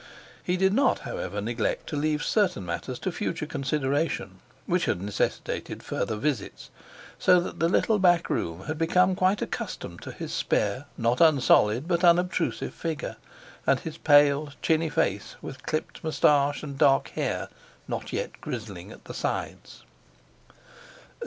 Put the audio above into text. He did not, however, neglect to leave certain matters to future consideration, which had necessitated further visits, so that the little back room had become quite accustomed to his spare, not unsolid, but unobtrusive figure, and his pale, chinny face with clipped moustache and dark hair not yet grizzling at the sides.